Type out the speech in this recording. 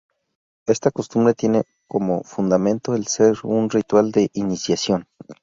Esta costumbre tiene como fundamento el ser un ritual de iniciación.